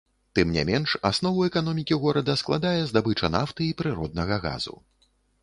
Тым не менш, аснову эканомікі горада складае здабыча нафты і прыроднага газу.